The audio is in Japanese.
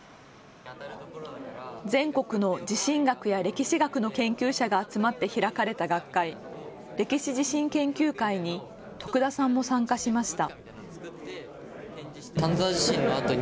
全国の地震学や歴史学の研究者が集まって開かれた学会、歴史地震研究会に徳田さんも参加しました。